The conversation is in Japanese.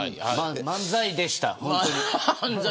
漫才でした。